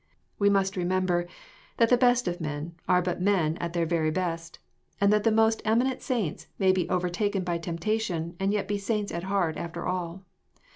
We must remember that the best of men are but men at their very best, and that the most eminent saints may be overtaken by temptation, and yet be saints at heart after all.